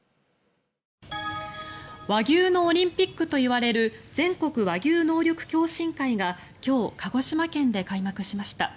和牛のオリンピックといわれる全国和牛能力共進会が今日、鹿児島県で開幕しました。